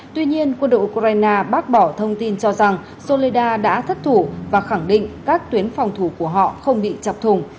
tuy nhiên quân đội ukraine bác bỏ thông tin cho rằng soleida đã thất thủ và khẳng định các tuyến phòng thủ của họ không bị chọc thùng